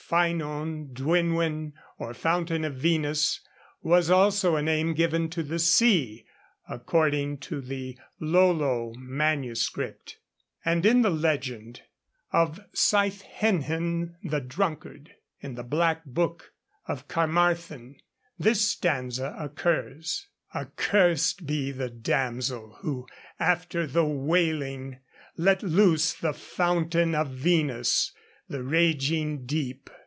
Ffynon Dwynwen, or Fountain of Venus, was also a name given to the sea, according to the Iolo MSS.; and in the legend of Seithenhin the Drunkard, in the 'Black Book of Carmarthen,' this stanza occurs: Accursed be the damsel, Who, after the wailing, Let loose the Fountain of Venus, the raging deep.